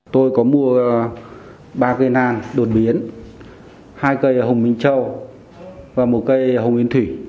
tôi có mua ba cây nan đột biến hai cây là hồng minh trâu và một cây là hồng minh thủy